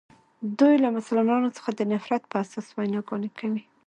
دوی له مسلمانانو څخه د نفرت په اساس ویناګانې کوي.